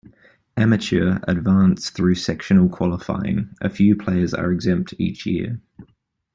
Amateur advance through sectional qualifying, a few players are exempt each year.